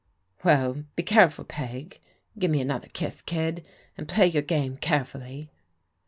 "Well, be careful. Peg. Give me another Idss, Idd, and play your game carefully."